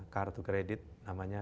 kartu kredit namanya